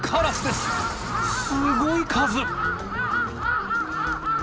すごい数。